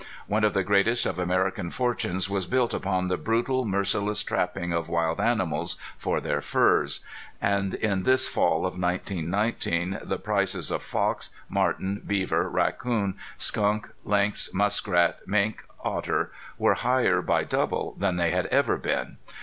One of the greatest of American fortunes was built upon the brutal, merciless trapping of wild animals for their furs. And in this fall of 1919 the prices of fox, marten, beaver, raccoon, skunk, lynx, muskrat, mink, otter, were higher by double than they had ever been.